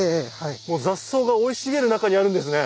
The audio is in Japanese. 雑草が生い茂る中にあるんですね。